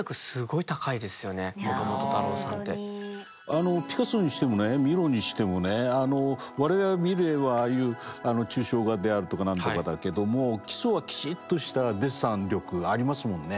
あのピカソにしてもミロにしても我々が見る絵はああいう抽象画であるとか何とかだけども基礎はきちっとしたデッサン力ありますもんね。